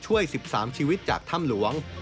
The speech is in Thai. ช่วย๑๓ชีวิตจากถ้ำหลวง